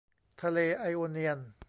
ทะเลไอโอเนียน